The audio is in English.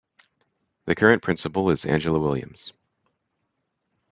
The current Principal is Angela Williams.